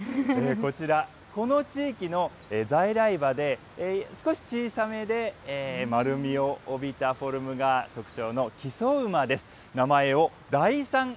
こちら、この地域の在来馬で、少し小さめで丸みを帯びたフォルムが特徴の木曽馬です。